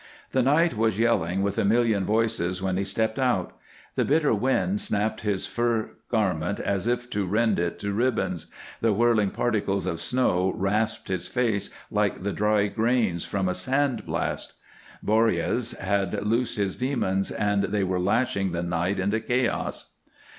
The night was yelling with a million voices when he stepped out. The bitter wind snapped his fur garment as if to rend it to ribbons, the whirling particles of snow rasped his face like the dry grains from a sand blast. Boreas had loosed his demons, and they were lashing the night into chaos.